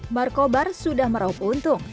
markobar sudah merahup untung